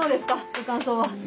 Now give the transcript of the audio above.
ご感想は？